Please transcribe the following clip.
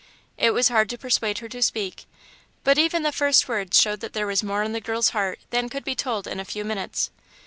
It was hard to persuade her to speak, but even the first words showed that there was more on the girl's heart than could be told in a few minutes.